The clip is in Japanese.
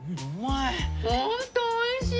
ホント美味しい！